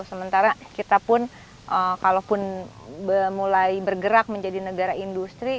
sementara kita pun kalaupun mulai bergerak menjadi negara industri